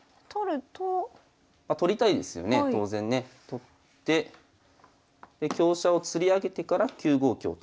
取ってで香車をつり上げてから９五香と。